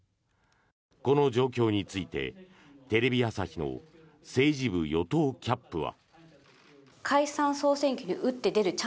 この状況について、テレビ朝日の政治部与党キャップは。